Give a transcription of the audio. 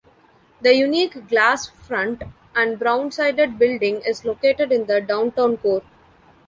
The unique glass front and brown sided building is located in the downtown core.